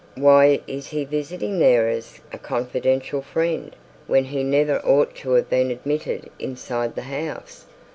Why is he visiting there as a confidential friend, when he never ought to have been admitted inside the house?